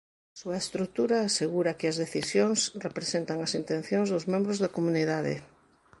A súa estrutura asegura que as decisións representan as intencións dos membros da comunidade.